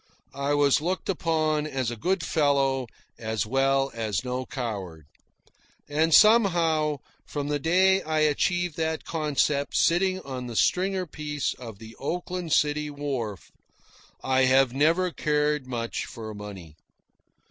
I was looked upon as a good fellow, as well as no coward. And somehow, from the day I achieved that concept sitting on the stringer piece of the Oakland City Wharf, I have never cared much for money.